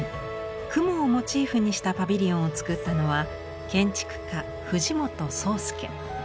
雲をモチーフにしたパビリオンを作ったのは建築家藤本壮介。